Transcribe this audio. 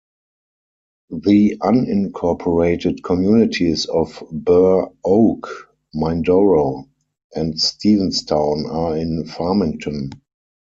The unincorporated communities of Burr Oak, Mindoro, and Stevenstown are in Farmington.